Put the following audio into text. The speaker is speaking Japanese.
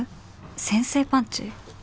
先制パンチ？